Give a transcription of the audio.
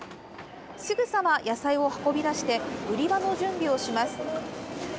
すぐさま野菜を運び出して売り場の準備をします。